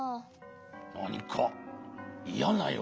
なにかいやなよ